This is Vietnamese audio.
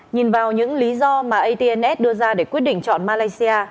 nhìn vào những lý do mà at s đưa ra để quyết định chọn malaysia